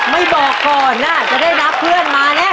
ไม่บอกก่อนจะได้รับเพื่อนมาแน่